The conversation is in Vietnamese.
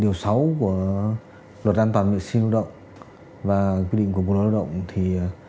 theo quy định tại điều sáu của luật an toàn vệ sinh lao động và quy định của bộ lão lao động thì